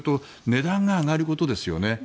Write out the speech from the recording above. それと値段が上がることですよね。